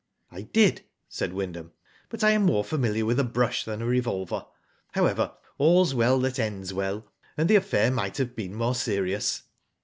"I did," said Wyndham; but I am more familiar with a brush than a revolver. However, 'airs well that ends well,' and the affair might have been more serious."